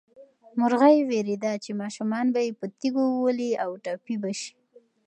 مرغۍ وېرېده چې ماشومان به یې په تیږو وولي او ټپي به شي.